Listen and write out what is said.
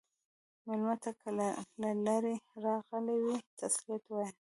مېلمه ته که له لرې راغلی وي، تسلیت وایه.